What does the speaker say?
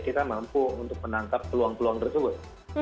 kita mampu untuk menangkap peluang peluang tersebut